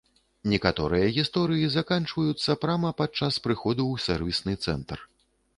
Некаторыя гісторыі заканчваюцца прама падчас прыходу ў сэрвісны цэнтр.